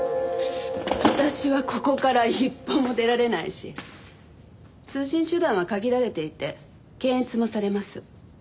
私はここから一歩も出られないし通信手段は限られていて検閲もされます。